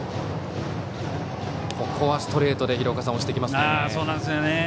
ここはストレートで押してきます。